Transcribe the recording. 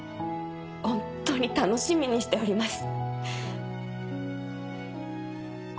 本当に楽しみにしております。